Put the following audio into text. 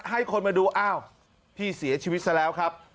ให้คนมาดูอ้าวพี่เสียชีวิตซะแล้วครับ